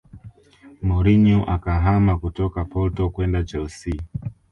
Mourinho akahama kutoka porto kwenda Chelsea